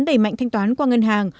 đẩy mạnh thanh toán qua ngân hàng